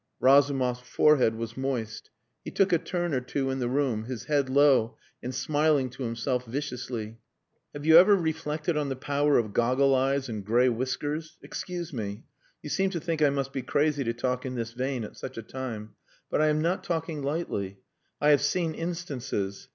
Razumov's forehead was moist. He took a turn or two in the room, his head low and smiling to himself viciously. "Have you ever reflected on the power of goggle eyes and grey whiskers? Excuse me. You seem to think I must be crazy to talk in this vein at such a time. But I am not talking lightly. I have seen instances.